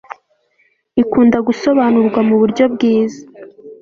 ikunda gusobanurwa mu buryo bwiza